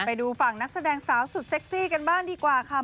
ไปดูฝั่งนักแสดงสาวสุดเซ็กซี่กันบ้างดีกว่าค่ะ